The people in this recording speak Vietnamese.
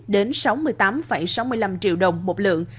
sáu mươi bảy chín đến sáu mươi tám sáu mươi năm triệu đồng một lượng